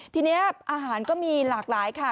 ทีนี้อาหารก็มีหลากหลายค่ะ